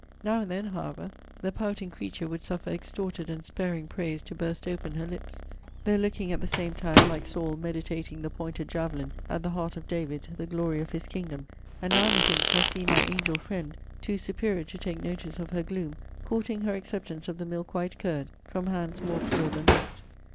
Now and then, however, the pouting creature would suffer extorted and sparing praise to burst open her lips; though looking at the same time like Saul meditating the pointed javelin at the heart of David, the glory of his kingdom. And now, methinks, I see my angel friend, (too superior to take notice of her gloom,) courting her acceptance of the milk white curd, from hands more pure than that.